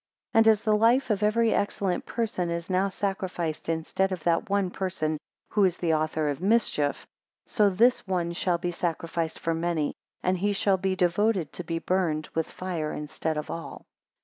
7 And as the life of every excellent person is now sacrificed instead of that one person (who is the author of the mischief), so this one shall be sacrificed for many, and he shall be devoted to be burnt with fire instead of all.